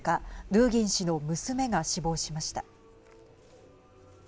ドゥーギン氏の娘が死亡しました。